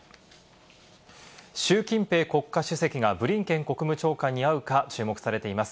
シュウ・キンペイ国家主席がブリンケン国務長官に合うか注目されています。